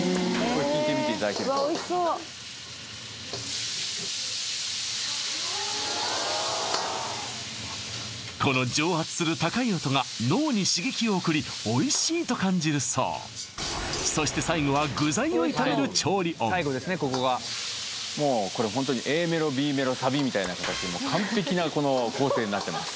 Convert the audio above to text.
聞いてみていただけるとこの蒸発する高い音が脳に刺激を送りおいしいと感じるそうそして最後はこれホントにＡメロＢメロサビみたいな形で完璧な構成になってます